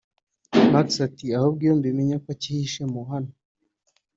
max ati: ahubwo iyo mbimenya ko acyihishe mo hano